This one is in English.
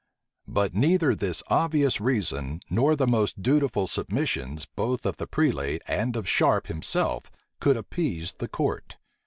But neither this obvious reason, nor the most dutiful submissions, both of the prelate and of Sharpe himself, could appease the court.